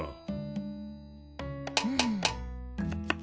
うん。